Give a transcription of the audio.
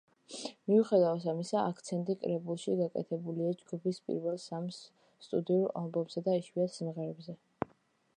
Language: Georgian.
მიუხედავად ამისა, აქცენტი კრებულში გაკეთებულია ჯგუფის პირველ სამ სტუდიურ ალბომსა და იშვიათ სიმღერებზე.